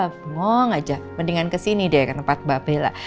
bungong aja mendingan ke sini deh ke tempat mbak bella